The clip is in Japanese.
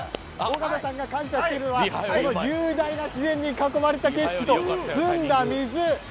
尾形さんが感謝しているのは雄大な自然に囲まれた景色と澄んだ水。